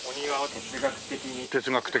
哲学的に。